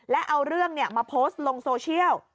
และเอาเรื่องมาโพสต์ลงโซเชียล